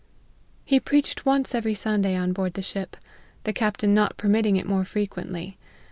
He preached once every Sunday on board the ship, the captain not permitting it more frequently.